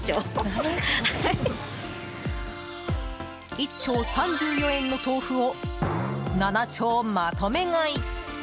１丁３４円の豆腐を７丁まとめ買い。